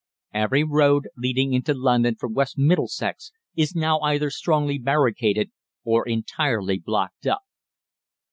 Every road leading into London from West Middlesex is now either strongly barricaded or entirely blocked up.